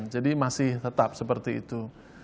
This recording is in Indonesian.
jadi masih tetap seperti itu